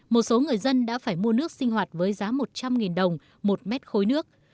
một số người dân đã phải mua nước sinh hoạt với giá một trăm linh đồng một mét khối nước